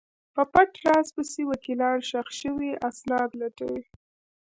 په پټ راز پسې وکیلان ښخ شوي اسناد لټوي.